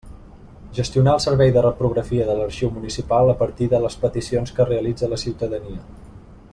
Gestionar el servei de reprografia de l'arxiu municipal a partir de les peticions que realitza la ciutadania.